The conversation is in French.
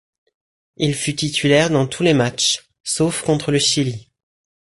Il fut titulaire dans tous les matchs, sauf contre le Chili.